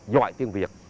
giỏi tiếng việt